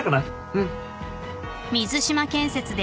うん。